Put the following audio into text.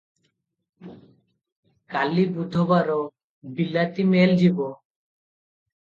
କାଲି ବୁଧବାର ବିଲାତୀ ମେଲ୍ ଯିବ ।